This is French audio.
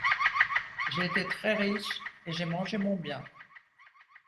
J’ai été très riche, et j’ai mangé mon bien.